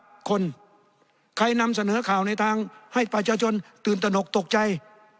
ทุกคนใครนำเสนอข่าวในทางให้ประชาชนตื่นตนกตกใจ